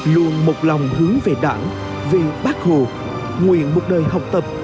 luôn một lòng hướng về đảng vì bác hồ nguyện một đời học tập